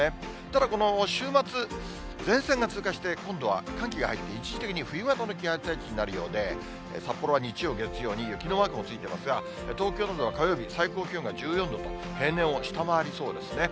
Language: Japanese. ただ、この週末、前線が通過して、今度は寒気が入って一時的に冬型の気圧配置になるようで、札幌は日曜、月曜に雪のマークもついてますが、東京などは火曜日、最高気温が１４度と、平年を下回りそうですね。